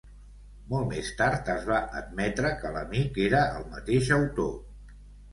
Molt més tard es va admetre que l'"amic" era el mateix autor.